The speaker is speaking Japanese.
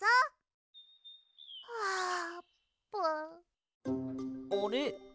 あれ？